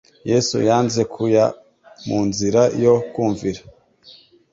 Yesu yanze kuya mu nzira yo kumvira.